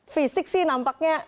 fisik sih nampaknya